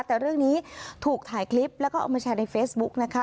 แต่เรื่องนี้ถูกถ่ายคลิปแล้วก็เอามาแชร์ในเฟซบุ๊กนะคะ